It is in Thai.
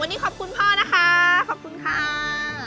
วันนี้ขอบคุณพ่อนะคะขอบคุณค่ะ